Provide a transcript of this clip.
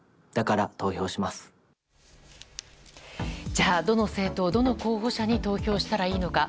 じゃあ、どの政党どの候補者に投票したらいいのか。